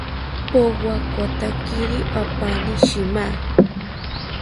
Powakotakiri apani shima